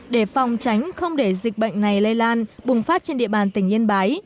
để phòng tránh không để dịch bệnh này lây lan bùng phát trên địa bàn tỉnh yên bái